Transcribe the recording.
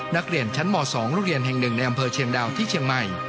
นักเรียนชั้นม๒โรงเรียนแห่งหนึ่งในอำเภอเชียงดาวที่เชียงใหม่